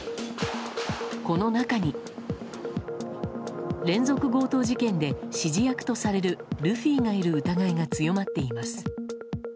この中に、連続強盗事件で指示役とされるルフィがいる疑いが強まっています。